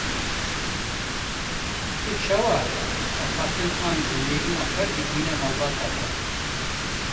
Tu çawa axaftin an jî nêrîna xwe digihîne malbata xwe?